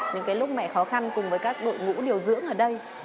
những lúc mẹ khó khăn cùng với các đội ngũ điều dưỡng ở đây